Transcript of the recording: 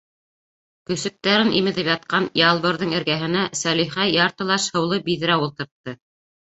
Көсөктәрен имеҙеп ятҡан Ялбырҙың эргәһенә Сәлихә яртылаш һыулы биҙрә ултыртты.